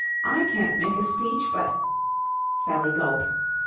I can't make a speech, but..." Sally gulped